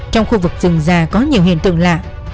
trong khu vực rừng già có nhiều hiện tượng lạ